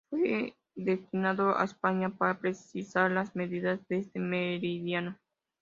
Fue destinado a España para precisar las medidas de este meridiano.